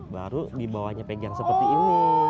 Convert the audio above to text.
baru di bawahnya pegang seperti ini